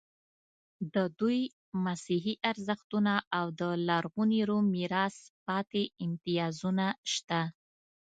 د دوی مسیحي ارزښتونه او د لرغوني روم میراث پاتې امتیازونه شته.